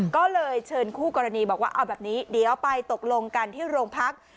ก็เลยเชิญคู่กรณีบอกว่าเอาแบบนี้เดี๋ยวไปตกลงกันที่โรงพัก